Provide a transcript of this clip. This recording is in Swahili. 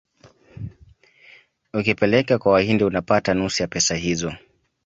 Ukipeleka kwa wahindi unapata nusu ya pesa hizo